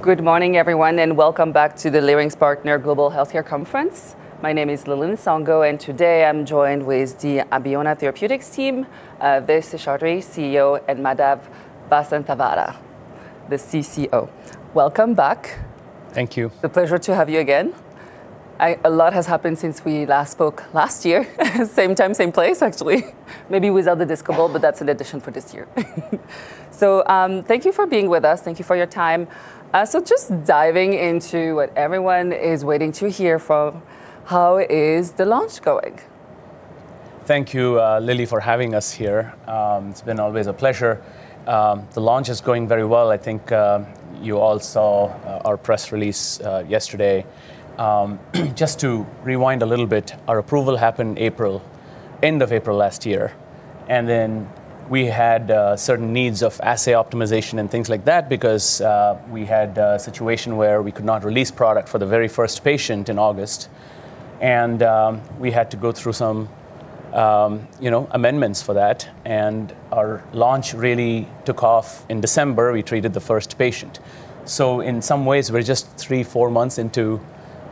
Good morning, everyone, and welcome back to the Leerink Partners Global Healthcare Conference. My name is Lili Nsongo, and today I'm joined with the Abeona Therapeutics team, Vish Seshadri, CEO, and Madhav Vasanthavada, the CCO. Welcome back. Thank you. It's a pleasure to have you again. A lot has happened since we last spoke last year, same time, same place, actually. Maybe without the disco ball, but that's an addition for this year. Thank you for being with us. Thank you for your time. Just diving into what everyone is waiting to hear for, how is the launch going? Thank you, Lili, for having us here. It's been always a pleasure. The launch is going very well. I think, you all saw, our press release, yesterday. Just to rewind a little bit, our approval happened April, end of April last year, and then we had, certain needs of assay optimization and things like that because, we had a situation where we could not release product for the very first patient in August, and, we had to go through some, you know, amendments for that. Our launch really took off in December. We treated the first patient. In some ways, we're just three, four months into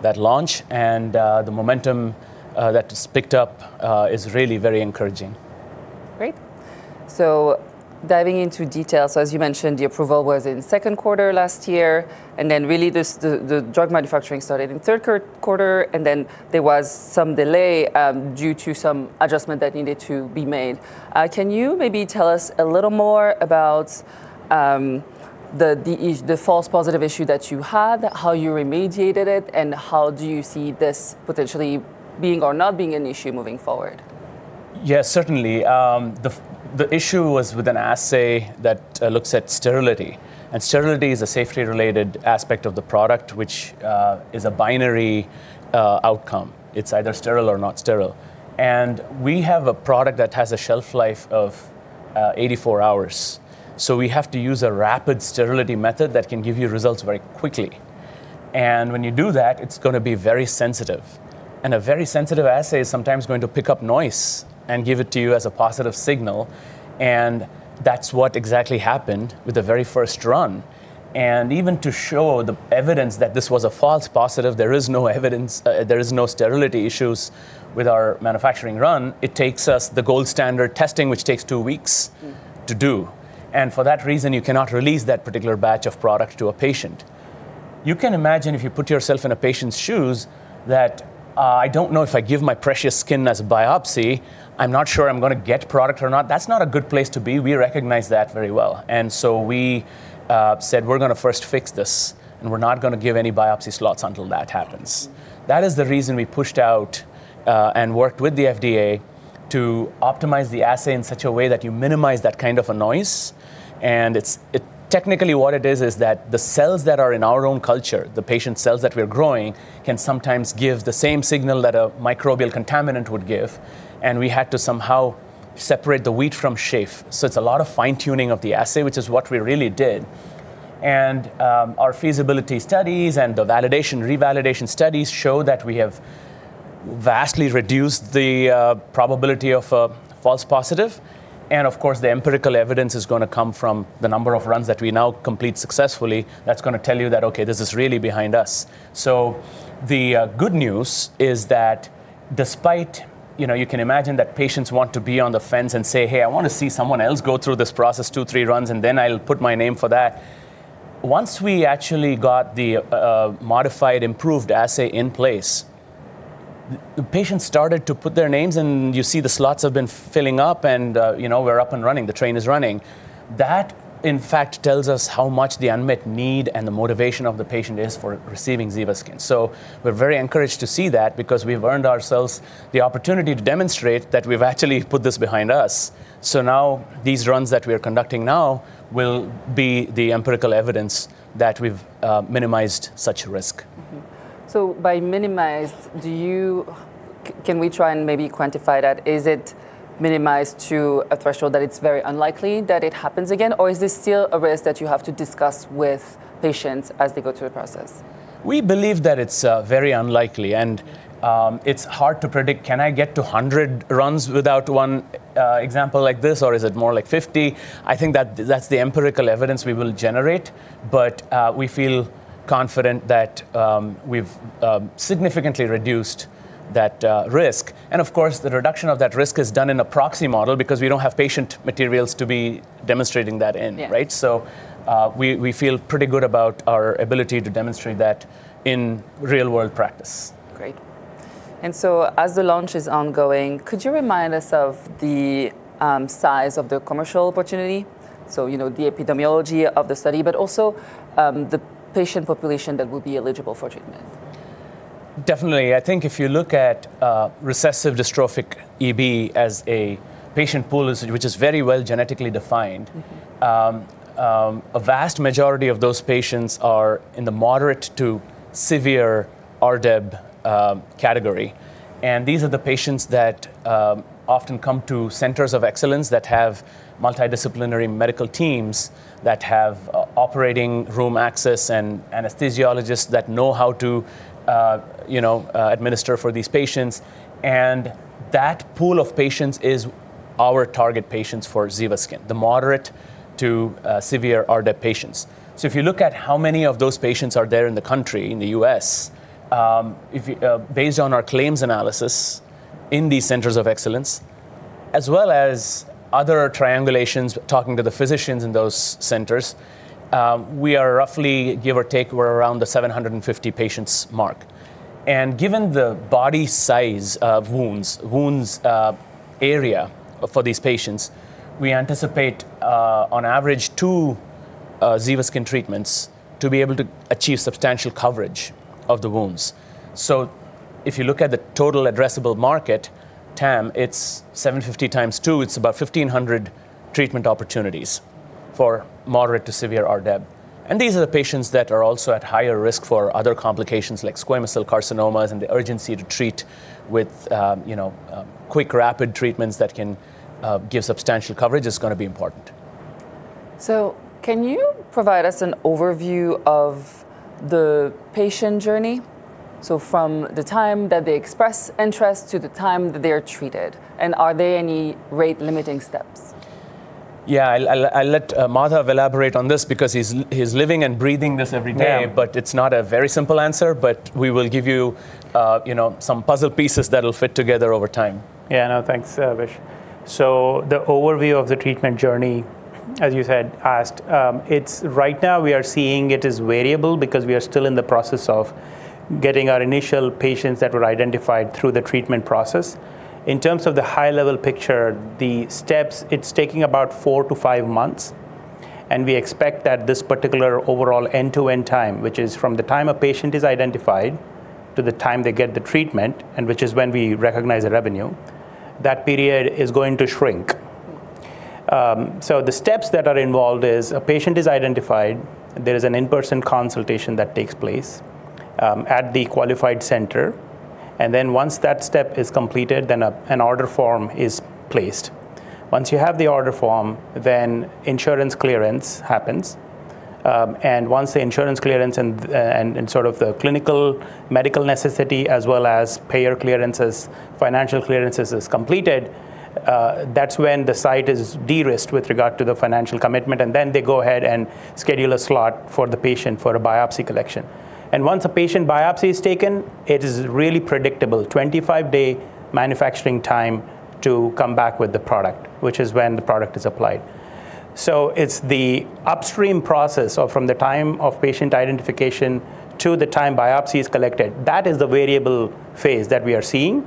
that launch and the momentum, that's picked up, is really very encouraging. Great. Diving into details, as you mentioned, the approval was in the second quarter last year, and then really the drug manufacturing started in the third quarter, and then there was some delay due to some adjustment that needed to be made. Can you maybe tell us a little more about the false positive issue that you had, how you remediated it, and how do you see this potentially being or not being an issue moving forward? Yes, certainly. The issue was with an assay that looks at sterility. Sterility is a safety-related aspect of the product, which is a binary outcome. It's either sterile or not sterile. We have a product that has a shelf life of 84 hours, so we have to use a rapid sterility method that can give you results very quickly. When you do that, it's gonna be very sensitive, and a very sensitive assay is sometimes going to pick up noise and give it to you as a positive signal, and that's what exactly happened with the very first run. Even to show the evidence that this was a false positive, there is no evidence, there is no sterility issues with our manufacturing run, it takes us the gold standard testing, which takes two weeks. Mm. -to do. For that reason, you cannot release that particular batch of product to a patient. You can imagine if you put yourself in a patient's shoes that, I don't know if I give my precious skin as a biopsy, I'm not sure I'm gonna get product or not. That's not a good place to be. We recognize that very well. We said we're gonna first fix this, and we're not gonna give any biopsy slots until that happens. That is the reason we pushed out and worked with the FDA to optimize the assay in such a way that you minimize that kind of a noise. Technically, what it is is that the cells that are in our own culture, the patient's cells that we're growing, can sometimes give the same signal that a microbial contaminant would give, and we had to somehow separate the wheat from chaff. It's a lot of fine-tuning of the assay, which is what we really did. Our feasibility studies and the validation, revalidation studies show that we have vastly reduced the probability of a false positive. Of course, the empirical evidence is gonna come from the number of runs that we now complete successfully. That's gonna tell you that, okay, this is really behind us. The good news is that despite, you know, you can imagine that patients want to be on the fence and say, "Hey, I want to see someone else go through this process two, three runs, and then I'll put my name for that." Once we actually got the modified, improved assay in place, the patients started to put their names, and you see the slots have been filling up and, you know, we're up and running, the train is running. That, in fact, tells us how much the unmet need and the motivation of the patient is for receiving ZEVASKYN. We're very encouraged to see that because we've earned ourselves the opportunity to demonstrate that we've actually put this behind us. Now these runs that we are conducting now will be the empirical evidence that we've minimized such risk. By minimized, can we try and maybe quantify that? Is it minimized to a threshold that it's very unlikely that it happens again, or is this still a risk that you have to discuss with patients as they go through the process? We believe that it's very unlikely, and it's hard to predict, can I get to 100 runs without one example like this, or is it more like 50? I think that that's the empirical evidence we will generate. We feel confident that we've significantly reduced that risk. Of course, the reduction of that risk is done in a proxy model because we don't have patient materials to be demonstrating that in. Yeah. Right? We feel pretty good about our ability to demonstrate that in real-world practice. Great. As the launch is ongoing, could you remind us of the size of the commercial opportunity? You know, the epidemiology of the study, but also the patient population that will be eligible for treatment. Definitely. I think if you look at recessive dystrophic EB as a patient pool, which is very well genetically defined. Mm-hmm. A vast majority of those patients are in the moderate to severe RDEB category. These are the patients that often come to centers of excellence that have multidisciplinary medical teams that have operating room access and anesthesiologists that know how to, you know, administer for these patients. That pool of patients is our target patients for ZEVASKYN, the moderate to severe RDEB patients. If you look at how many of those patients are there in the country, in the U.S., based on our claims analysis in these centers of excellence, as well as other triangulations talking to the physicians in those centers, we are roughly, give or take, around the 750 patients mark. Given the body size of wounds area for these patients, we anticipate on average two ZEVASKYN treatments to be able to achieve substantial coverage of the wounds. If you look at the total addressable market, TAM, it's 750 times two, it's about 1,500 treatment opportunities for moderate to severe RDEB. These are the patients that are also at higher risk for other complications like squamous cell carcinomas and the urgency to treat with, you know, quick, rapid treatments that can give substantial coverage is gonna be important. Can you provide us an overview of the patient journey? From the time that they express interest to the time that they are treated, and are there any rate-limiting steps? Yeah. I'll let Madhav elaborate on this because he's living and breathing this every day. Yeah. It's not a very simple answer, but we will give you know, some puzzle pieces that'll fit together over time. Yeah. No, thanks, Vish. The overview of the treatment journey, as you asked, it's right now we are seeing it as variable because we are still in the process of getting our initial patients that were identified through the treatment process. In terms of the high level picture, the steps, it's taking about four-five months, and we expect that this particular overall end-to-end time, which is from the time a patient is identified to the time they get the treatment, and which is when we recognize the revenue, that period is going to shrink. The steps that are involved is a patient is identified, there is an in-person consultation that takes place at the qualified center, and then once that step is completed, then an order form is placed. Once you have the order form, then insurance clearance happens. Once the insurance clearance and sort of the clinical medical necessity as well as payer clearances, financial clearances is completed, that's when the site is de-risked with regard to the financial commitment, and then they go ahead and schedule a slot for the patient for a biopsy collection. Once a patient biopsy is taken, it is really predictable, 25-day manufacturing time to come back with the product, which is when the product is applied. It's the upstream process or from the time of patient identification to the time biopsy is collected, that is the variable phase that we are seeing,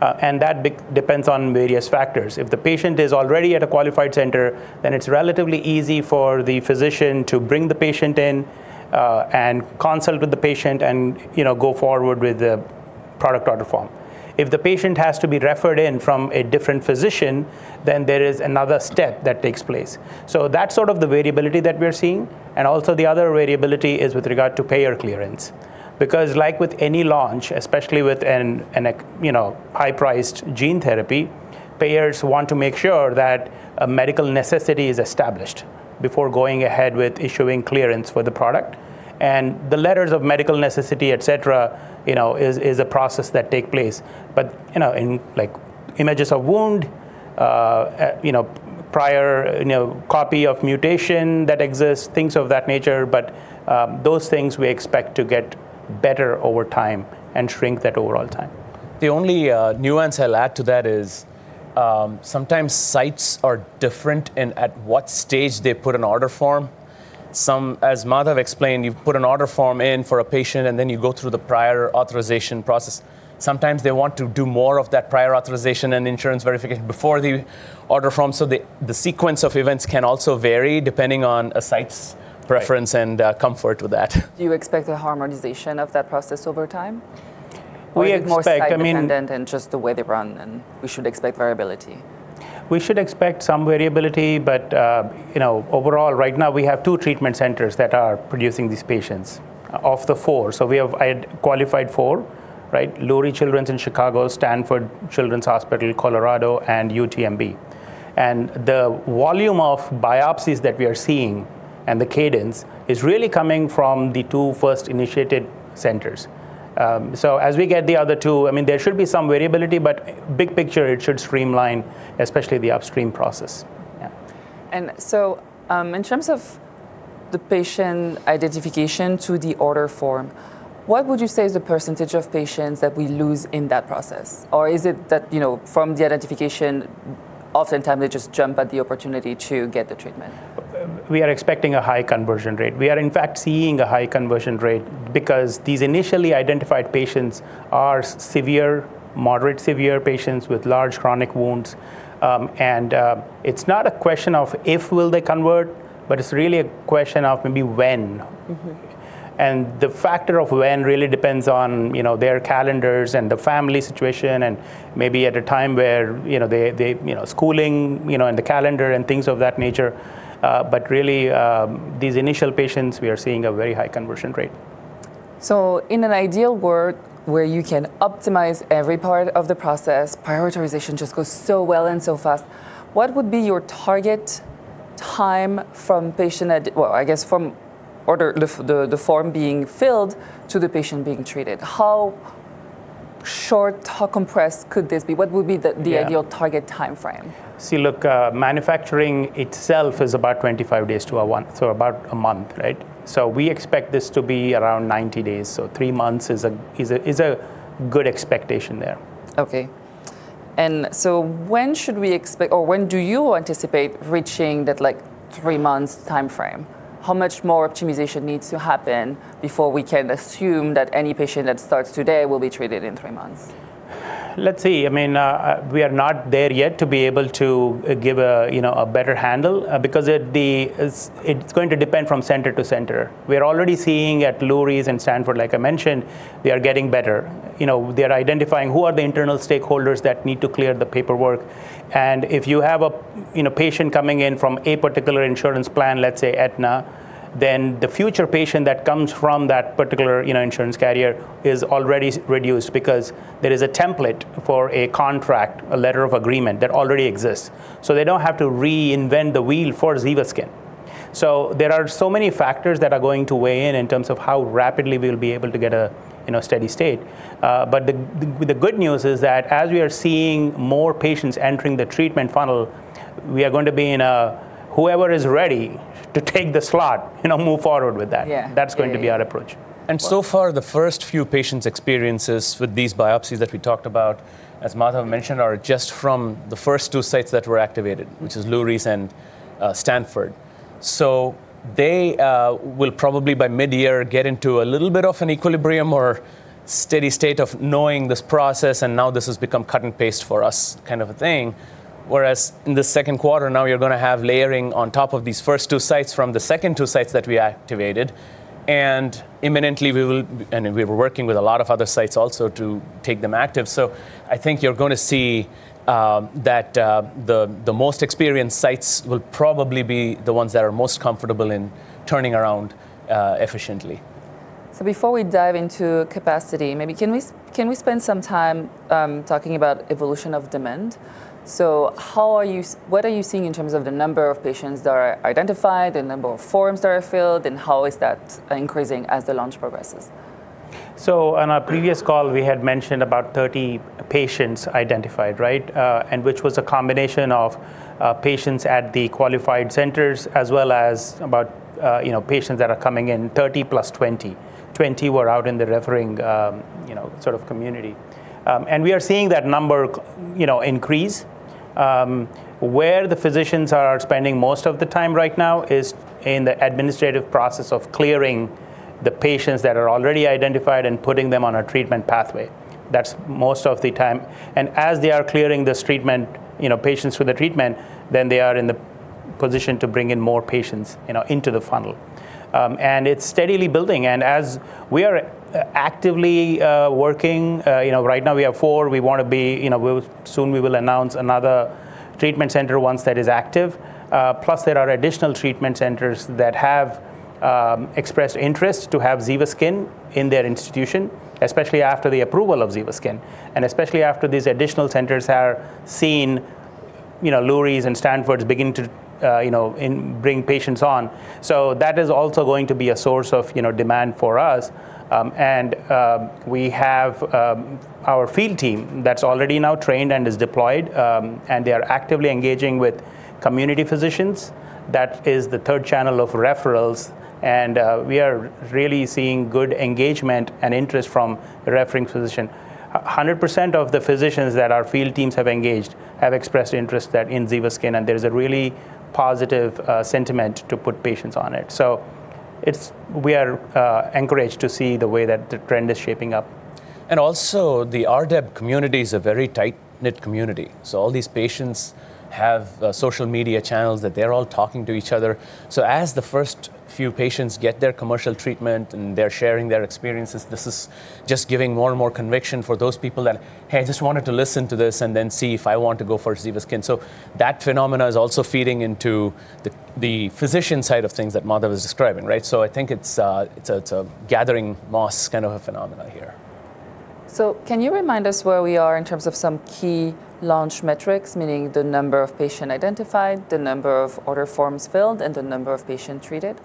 and that depends on various factors. If the patient is already at a qualified center, then it's relatively easy for the physician to bring the patient in, and consult with the patient and, you know, go forward with the product order form. If the patient has to be referred in from a different physician, then there is another step that takes place. That's sort of the variability that we are seeing, and also the other variability is with regard to payer clearance. Because like with any launch, especially with an expensive, you know, high-priced gene therapy, payers want to make sure that a medical necessity is established before going ahead with issuing clearance for the product. The letters of medical necessity, etc., you know, is a process that take place. You know, in like images of wound, you know, prior, you know, copy of mutation that exists, things of that nature. Those things we expect to get better over time and shrink that overall time. The only nuance I'll add to that is, sometimes sites are different in at what stage they put an order form. Some, as Madhav explained, you put an order form in for a patient, and then you go through the prior authorization process. Sometimes they want to do more of that prior authorization and insurance verification before the order form. The sequence of events can also vary depending on a site's- Right. preference and comfort with that. Do you expect a harmonization of that process over time? We expect, I mean. Is it more site dependent and just the way they run, and we should expect variability? We should expect some variability, but you know, overall, right now, we have two treatment centers that are producing these patients of the four. We have qualified four, right? Lurie Children's in Chicago, Lucile Packard Children's Hospital Stanford, Children's Hospital Colorado, and UTMB. The volume of biopsies that we are seeing and the cadence is really coming from the two first initiated centers. So as we get the other two, I mean, there should be some variability, but big picture, it should streamline, especially the upstream process. In terms of the patient identification to the order form, what would you say is the percentage of patients that we lose in that process? Is it that, you know, from the identification, oftentimes they just jump at the opportunity to get the treatment? We are expecting a high conversion rate. We are in fact seeing a high conversion rate because these initially identified patients are severe, moderate severe patients with large chronic wounds. It's not a question of if will they convert, but it's really a question of maybe when. Mm-hmm. The factor of when really depends on, you know, their calendars and the family situation and maybe at a time where, you know, they you know schooling, you know, and the calendar and things of that nature. But really, these initial patients, we are seeing a very high conversion rate. In an ideal world where you can optimize every part of the process, prioritization just goes so well and so fast, what would be your target time? Well, I guess from order, the form being filled to the patient being treated. How short, how compressed could this be? Yeah the ideal target timeframe? See, look, manufacturing itself is about 25 days to a month, so about a month, right? We expect this to be around 90 days. Three months is a good expectation there. Okay. When should we expect or when do you anticipate reaching that, like, three months timeframe? How much more optimization needs to happen before we can assume that any patient that starts today will be treated in three months? Let's see. I mean, we are not there yet to be able to give a, you know, a better handle because it's going to depend from center to center. We're already seeing at Lurie Children's and Stanford, like I mentioned, they are getting better. You know, they are identifying who are the internal stakeholders that need to clear the paperwork. If you have a, you know, patient coming in from a particular insurance plan, let's say Aetna, then the future patient that comes from that particular, you know, insurance carrier is already reduced because there is a template for a contract, a letter of agreement that already exists. They don't have to reinvent the wheel for ZEVASKYN. There are so many factors that are going to weigh in in terms of how rapidly we'll be able to get a, you know, steady state. The good news is that as we are seeing more patients entering the treatment funnel, we are going to be in a whoever is ready to take the slot, you know, move forward with that. Yeah. That's going to be our approach. So far, the first few patients' experiences with these biopsies that we talked about, as Madhav mentioned, are just from the first two sites that were activated, which is Lurie and Stanford. They will probably by mid-year get into a little bit of an equilibrium or steady state of knowing this process, and now this has become cut and paste for us kind of a thing. Whereas in the second quarter, now you're gonna have layering on top of these first two sites from the second two sites that we activated. Imminently, we were working with a lot of other sites also to take them active. I think you're gonna see that the most experienced sites will probably be the ones that are most comfortable in turning around efficiently. Before we dive into capacity, maybe can we spend some time talking about evolution of demand? What are you seeing in terms of the number of patients that are identified, the number of forms that are filled, and how is that increasing as the launch progresses? On our previous call, we had mentioned about 30 patients identified, right? And which was a combination of, patients at the qualified centers as well as about, you know, patients that are coming in, 30 plus 20. 20 were out in the referring, you know, sort of community. And we are seeing that number, you know, increase. Where the physicians are spending most of the time right now is in the administrative process of clearing the patients that are already identified and putting them on a treatment pathway. That's most of the time. As they are clearing this treatment, you know, patients for the treatment, then they are in the position to bring in more patients, you know, into the funnel. And it's steadily building. As we are actively working, you know, right now we have four, we wanna be, you know, soon we will announce another treatment center, once that is active. Plus there are additional treatment centers that have expressed interest to have ZEVASKYN in their institution, especially after the approval of ZEVASKYN, and especially after these additional centers have seen, you know, Lurie and Stanford begin to, you know, bring patients on. So that is also going to be a source of, you know, demand for us. And we have our field team that's already now trained and is deployed, and they are actively engaging with community physicians. That is the third channel of referrals. We are really seeing good engagement and interest from the referring physician. 100% of the physicians that our field teams have engaged have expressed interest in ZEVASKYN, and there's a really positive sentiment to put patients on it. We are encouraged to see the way that the trend is shaping up. The RDEB community is a very tight-knit community. All these patients have social media channels that they're all talking to each other. As the first few patients get their commercial treatment and they're sharing their experiences, this is just giving more and more conviction for those people that, "Hey, I just wanted to listen to this and then see if I want to go for ZEVASKYN." That phenomena is also feeding into the physician side of things that Madhav was describing, right? I think it's a gathering momentum kind of a phenomena here. Can you remind us where we are in terms of some key launch metrics, meaning the number of patients identified, the number of order forms filled, and the number of patients treated?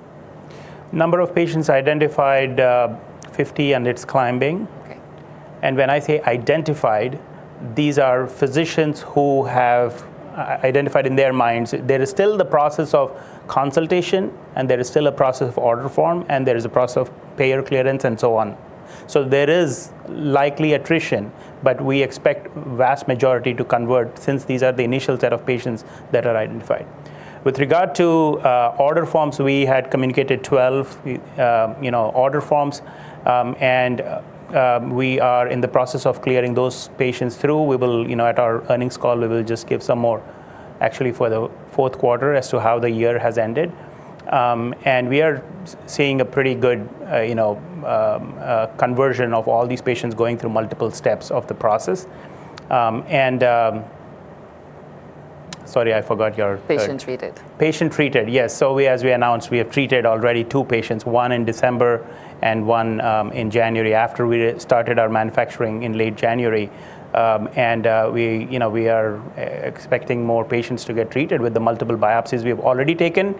Number of patients identified, 50, and it's climbing. Okay. When I say identified, these are physicians who have identified in their minds. There is still the process of consultation, and there is still a process of order form, and there is a process of payer clearance, and so on. There is likely attrition, but we expect vast majority to convert since these are the initial set of patients that are identified. With regard to order forms, we had communicated 12 order forms, and we are in the process of clearing those patients through. We will at our earnings call just give some more for the fourth quarter as to how the year has ended. We are seeing a pretty good conversion of all these patients going through multiple steps of the process. Sorry, I forgot your. Patient treated. Patient treated, yes. We, as we announced, we have treated already two patients, one in December and one in January after we started our manufacturing in late January. We, you know, we are expecting more patients to get treated with the multiple biopsies we have already taken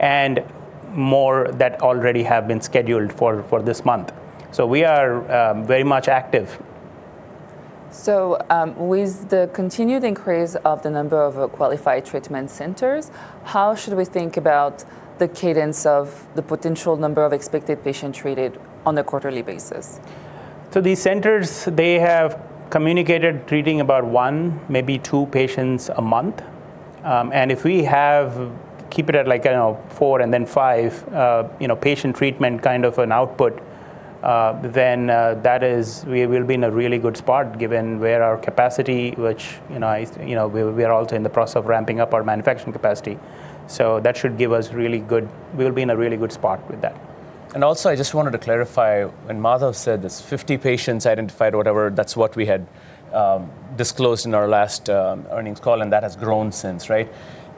and more that already have been scheduled for this month. We are very much active. With the continued increase of the number of qualified treatment centers, how should we think about the cadence of the potential number of expected patients treated on a quarterly basis? These centers, they have communicated treating about one, maybe two patients a month. If we have to keep it at, like, you know, four and then five, you know, patient treatment kind of an output, then we will be in a really good spot given where our capacity, which, you know, we are also in the process of ramping up our manufacturing capacity. We'll be in a really good spot with that. I just wanted to clarify when Madhav said there's 50 patients identified or whatever, that's what we had disclosed in our last earnings call, and that has grown since, right?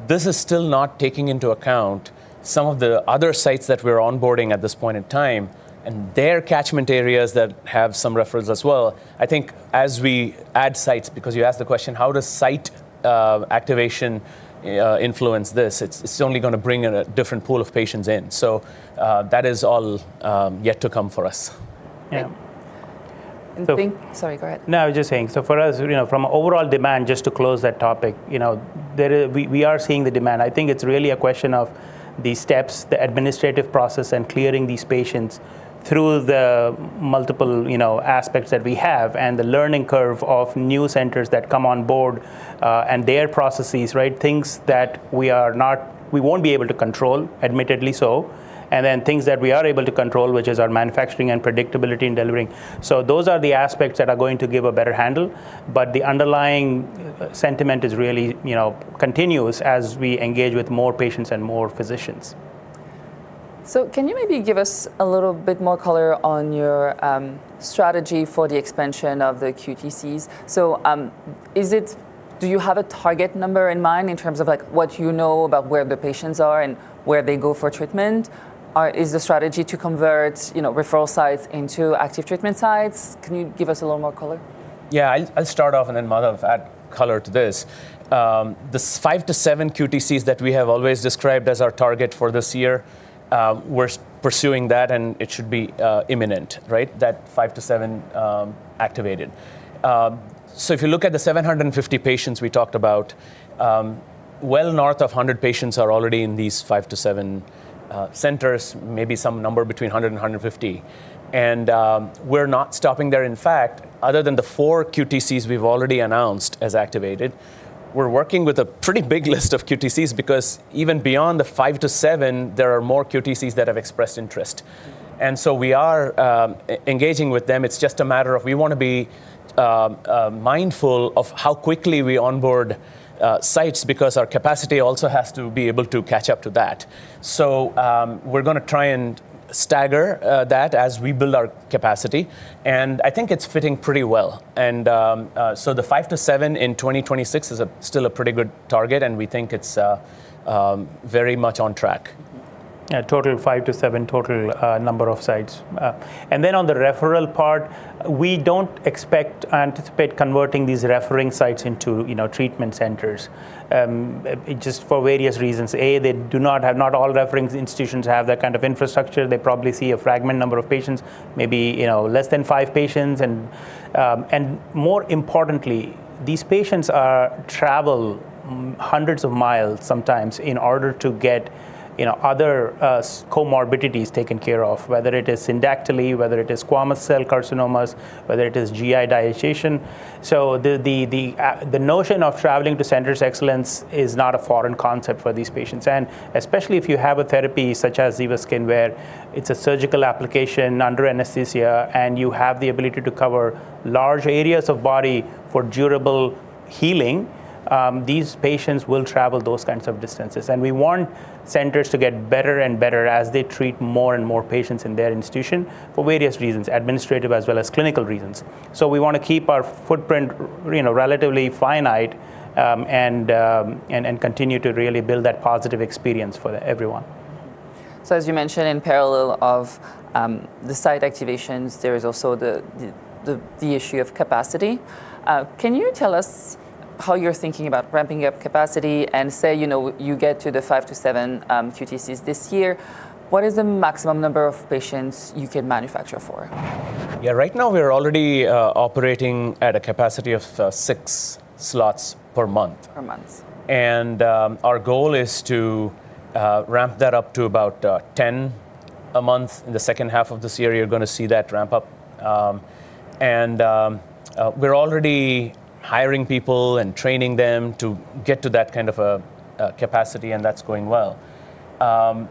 This is still not taking into account some of the other sites that we're onboarding at this point in time and their catchment areas that have some referrals as well. I think as we add sites, because you asked the question, how does site activation influence this? It's only gonna bring in a different pool of patients in. That is all yet to come for us. Yeah. And- Sorry, go ahead. No, I was just saying, so for us, you know, from overall demand, just to close that topic, you know, we are seeing the demand. I think it's really a question of the steps, the administrative process and clearing these patients through the multiple, you know, aspects that we have and the learning curve of new centers that come on board, and their processes, right? Things that we won't be able to control, admittedly so, and then things that we are able to control, which is our manufacturing and predictability in delivering. Those are the aspects that are going to give a better handle. The underlying sentiment is really, you know, continuous as we engage with more patients and more physicians. Can you maybe give us a little bit more color on your strategy for the expansion of the QTCs? Do you have a target number in mind in terms of, like, what you know about where the patients are and where they go for treatment? Or is the strategy to convert, you know, referral sites into active treatment sites? Can you give us a little more color? Yeah. I'll start off and then Madhav add color to this. The five to seven QTCs that we have always described as our target for this year, we're pursuing that, and it should be imminent, right? That five to seven activated. If you look at the 750 patients we talked about, well north of 100 patients are already in these five to seven centers, maybe some number between 100 and 150. We're not stopping there. In fact, other than the four QTCs we've already announced as activated, we're working with a pretty big list of QTCs because even beyond the five to seven, there are more QTCs that have expressed interest. We are engaging with them. It's just a matter of we wanna be mindful of how quickly we onboard sites because our capacity also has to be able to catch up to that. We're gonna try and stagger that as we build our capacity, and I think it's fitting pretty well. The five to seven in 2026 is still a pretty good target, and we think it's very much on track. Yeah, total five to seven total number of sites. Then on the referral part, we don't expect, anticipate converting these referring sites into, you know, treatment centers just for various reasons. A, not all referring institutions have that kind of infrastructure. They probably see a small number of patients, maybe, you know, less than five patients. More importantly, these patients travel hundreds of miles sometimes in order to get, you know, other comorbidities taken care of, whether it is syndactyly, whether it is squamous cell carcinomas, whether it is GI dilatation. The notion of traveling to centers of excellence is not a foreign concept for these patients. Especially if you have a therapy such as ZEVASKYN where it's a surgical application under anesthesia, and you have the ability to cover large areas of body for durable healing, these patients will travel those kinds of distances. We want centers to get better and better as they treat more and more patients in their institution for various reasons, administrative as well as clinical reasons. We wanna keep our footprint, you know, relatively finite, and continue to really build that positive experience for everyone. As you mentioned, in parallel with the site activations, there is also the issue of capacity. Can you tell us how you're thinking about ramping up capacity and, say, you know, you get to the five to seven QTCs this year, what is the maximum number of patients you can manufacture for? Yeah. Right now we are already operating at a capacity of six slots per month. Per month. Our goal is to ramp that up to about 10 a month in the second half of this year. You're gonna see that ramp up. We're already hiring people and training them to get to that kind of a capacity, and that's going well. One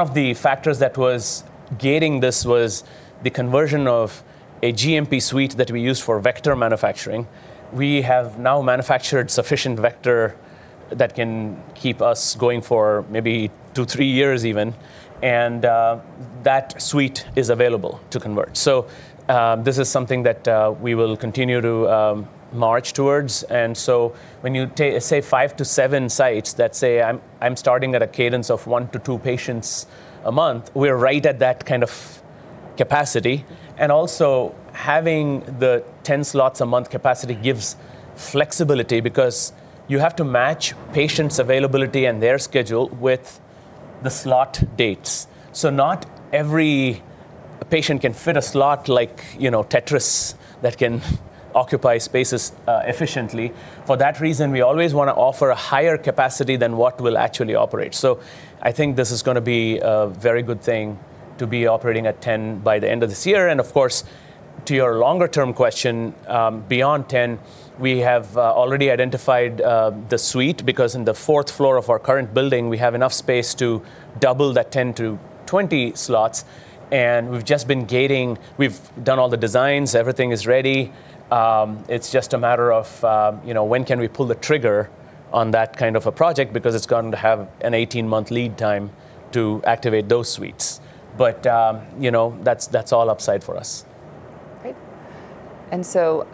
of the factors that was gating this was the conversion of a GMP suite that we use for vector manufacturing. We have now manufactured sufficient vector that can keep us going for maybe two, three years even, and that suite is available to convert. This is something that we will continue to march towards. When you say five to seven sites that say I'm starting at a cadence of one to two patients a month, we're right at that kind of capacity. Having the 10 slots a month capacity gives flexibility because you have to match patients' availability and their schedule with the slot dates. Not every patient can fit a slot like, you know, Tetris that can occupy spaces efficiently. For that reason, we always wanna offer a higher capacity than what we'll actually operate. I think this is gonna be a very good thing to be operating at 10 by the end of this year. Of course, to your longer term question, beyond 10, we have already identified the suite, because on the fourth floor of our current building, we have enough space to double that 10 to 20 slots. We've done all the designs, everything is ready. It's just a matter of, you know, when can we pull the trigger on that kind of a project, because it's going to have an 18-month lead time to activate those suites. You know, that's all upside for us. Great.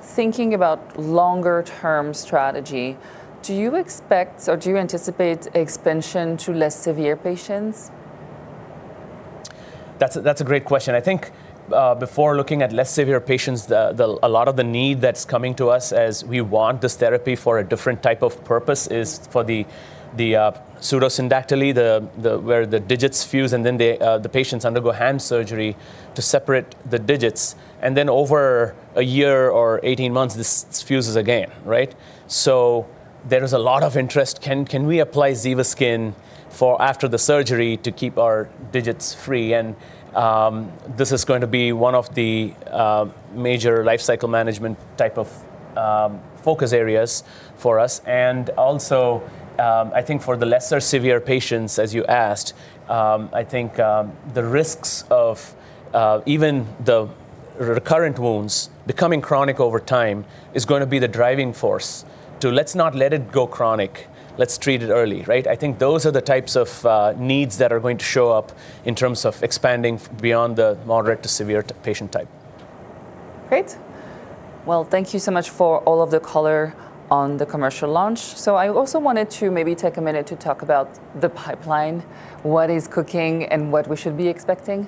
Thinking about longer term strategy, do you expect, or do you anticipate expansion to less severe patients? That's a great question. I think before looking at less severe patients, a lot of the need that's coming to us as we want this therapy for a different type of purpose is for the pseudosyndactyly, where the digits fuse and then the patients undergo hand surgery to separate the digits, and then over a year or 18 months, this fuses again, right? So there is a lot of interest. Can we apply ZEVASKYN for after the surgery to keep our digits free? This is going to be one of the major lifecycle management type of focus areas for us. I think for the lesser severe patients, as you asked, I think, the risks of even the recurrent wounds becoming chronic over time is gonna be the driving force to, let's not let it go chronic, let's treat it early, right? I think those are the types of needs that are going to show up in terms of expanding beyond the moderate to severe patient type. Great. Well, thank you so much for all of the color on the commercial launch. I also wanted to maybe take a minute to talk about the pipeline, what is cooking and what we should be expecting.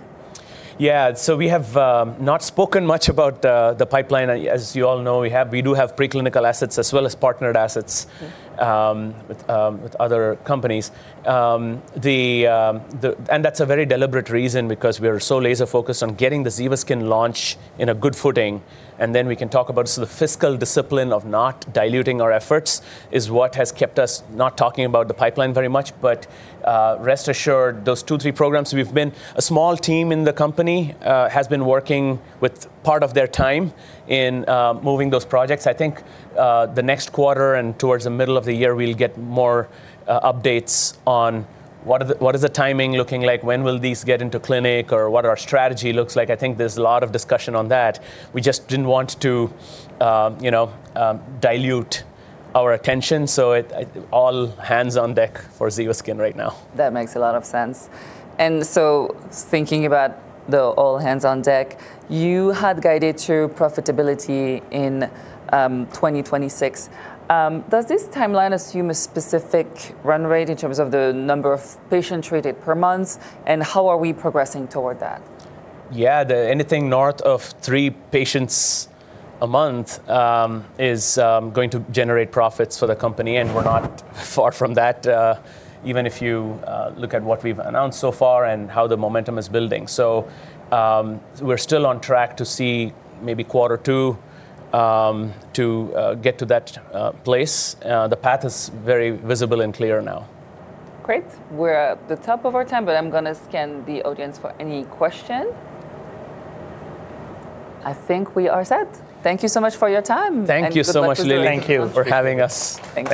Yeah. We have not spoken much about the pipeline. As you all know, we have, we do have preclinical assets as well as partnered assets. Mm-hmm With other companies. That's a very deliberate reason because we are so laser focused on getting the ZEVASKYN launch in a good footing, and then we can talk about. The fiscal discipline of not diluting our efforts is what has kept us not talking about the pipeline very much. Rest assured, those two, three programs. A small team in the company has been working with part of their time in moving those projects. I think the next quarter and towards the middle of the year, we'll get more updates on what is the timing looking like, when will these get into clinic, or what our strategy looks like. I think there's a lot of discussion on that. We just didn't want to, you know, dilute our attention. All hands on deck for ZEVASKYN right now. That makes a lot of sense. Thinking about the all hands on deck, you had guided to profitability in 2026. Does this timeline assume a specific run rate in terms of the number of patients treated per month, and how are we progressing toward that? Yeah. Anything north of three patients a month is going to generate profits for the company, and we're not far from that, even if you look at what we've announced so far and how the momentum is building. We're still on track to see maybe quarter two to get to that place. The path is very visible and clear now. Great. We're at the top of our time, but I'm gonna scan the audience for any question. I think we are set. Thank you so much for your time. Thank you so much, Lili. Good luck with the launch. Thank you for having us. Thank you.